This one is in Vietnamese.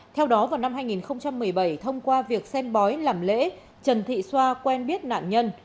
theo đó vào năm hai nghìn một mươi bảy thông qua việc xem bói làm lễ trần thị xoa quen biết nạn nhân